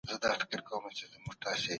مناره ګم ګشته د فکر لاره روښانه کوي.